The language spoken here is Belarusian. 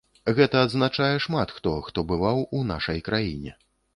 Гэта адзначае шмат хто, хто бываў у нашай краіне.